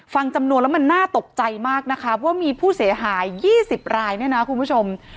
ฟังจำนวนแล้วมันน่าตกใจมากนะคะว่ามีผู้เสียหาย๒๐รายเนี่ยนะคุณผู้ชม